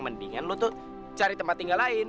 mendingan kamu cari tempat tinggal lain